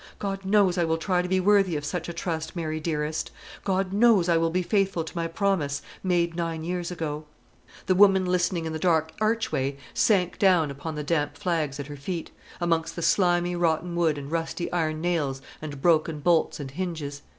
God knows I will try to be worthy of such a trust, Mary dearest; God knows I will be faithful to my promise, made nine years ago." The woman listening in the dark archway sank down upon the damp flags at her feet, amongst the slimy rotten wood and rusty iron nails and broken bolts and hinges.